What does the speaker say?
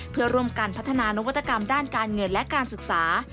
เพื่อร่วมกันพัฒนานวัตกรรมด้านการเงินและการศึกษา